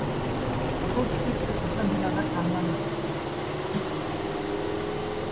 Bost urtez izan dira bertan lanak.